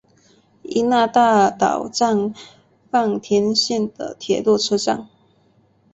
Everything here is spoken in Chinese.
伊那大岛站饭田线的铁路车站。